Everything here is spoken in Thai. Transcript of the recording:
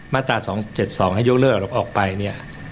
มาตรา๒๗๒ให้ยกเลิกออกไปเนี่ย